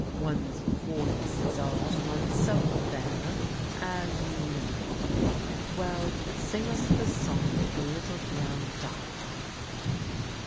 One's voice is all to one's self there, as you know. Weir, sing us the song of the little brown diver."